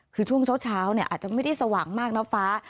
คือช่วงเช้าอาจจะไม่ได้สว่างมากนะฟ้า